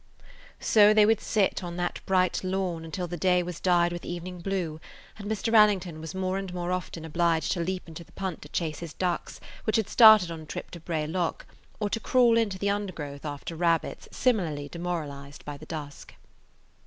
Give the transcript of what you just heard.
So they would sit on that bright lawn until the day was dyed with evening blue, and Mr. Allington was more and more often obliged to leap into the punt to chase his ducks, which had started on a trip to Bray Lock, or to crawl into the undergrowth after rabbits similarly demoralized by the dusk.